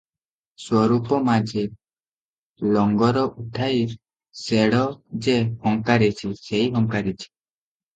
ସ୍ୱରୂପ ମାଝି- ଲଙ୍ଗର ଉଠାଇ ଶେଡ଼ ଯେ ହଙ୍କାରିଛି, ସେଇ ହଙ୍କାରିଛି ।